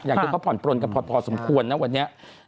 อย่างที่เขาผ่อนปลนกันพอสมควรนะวันนี้